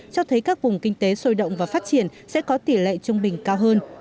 cho thấy các vùng kinh tế sôi động và phát triển sẽ có tỷ lệ trung bình cao hơn